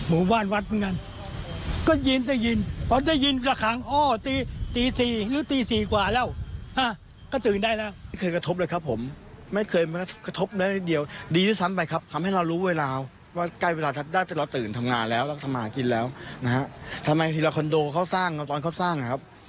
มากินแล้วนะครับทำไมที่เราคอนโดเขาสร้างคือว่าตอนเขาสร้างนะครับ